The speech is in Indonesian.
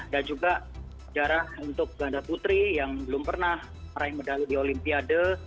dan juga jarak untuk ganda putri yang belum pernah meraih medali di olimpiade